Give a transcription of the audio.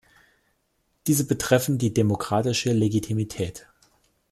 Diese betreffen die demokratische Legitimität.